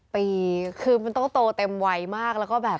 ปีคือมันต้องโตเต็มวัยมากแล้วก็แบบ